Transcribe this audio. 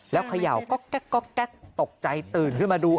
แล้วเขย่าก็แก๊อกแก๊กตกใจตื่นขึ้นมาดู